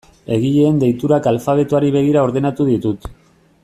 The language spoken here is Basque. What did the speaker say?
Egileen deiturak alfabetoari begira ordenatu ditut.